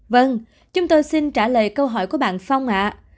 vâng chúng tôi xin trả lời câu hỏi của bạn phong ạ